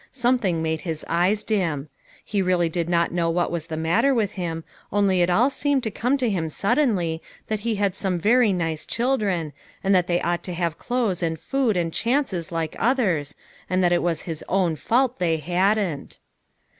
Something made his eyes dim. He really did not know what was the matter with him, only it all seemed to come to him suddenly that he had some very nice children, and that they ought to have clothes and food and chances like others, and that it was his own fault they hadn't.